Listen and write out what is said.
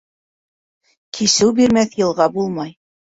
Кисеү бирмәҫ йылға булмай.